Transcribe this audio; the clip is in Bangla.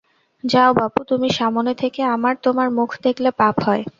যাও বাপু তুমি সামনে থেকে আমার, তোমার মুখ দেখলে পাপ হয়।